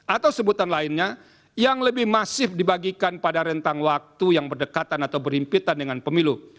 atau sebutan lainnya yang lebih masif dibagikan pada rentang waktu yang berdekatan atau berhimpitan dengan pemilu